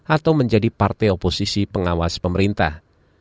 atau menjadi partai oposisi pengawas pemerintah